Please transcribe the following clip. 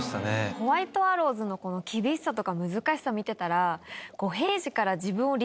ホワイトアローズのこの厳しさとか難しさ見てたら。